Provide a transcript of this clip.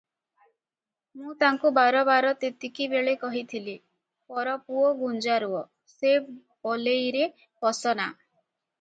ମୁଁ ତାଙ୍କୁ ବାରବାର ତେତିକିବେଳେ କହିଥିଲି -'ପରପୁଅ ଗୁଞ୍ଜାରୁଅ' ସେ ବଲେଇରେ ପଶ ନା ।